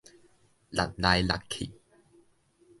搦來搦去